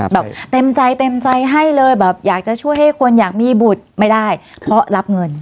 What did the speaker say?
แบบเต็มใจเต็มใจให้เลยแบบอยากจะช่วยให้คนอยากมีบุตรไม่ได้เพราะรับเงิน